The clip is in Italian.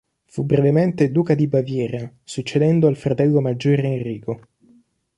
Fu brevemente duca di Baviera, succedendo al fratello maggiore Enrico.